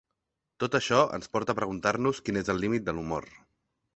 Tot això ens porta a preguntar-nos quin és el límit de l’humor.